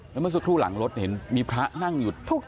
แล้วเมื่อสักครู่หลังรถเห็นมีพระนั่งอยู่